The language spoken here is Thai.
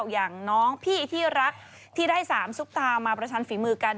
อย่างน้องพี่ที่รักที่ได้๓ซุปตามาประชันฝีมือกัน